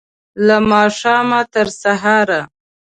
له ماښامه، تر سهاره